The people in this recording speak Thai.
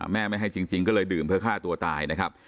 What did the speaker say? ไม่ให้จริงก็เลยดื่มเพื่อฆ่าตัวตายนะครับ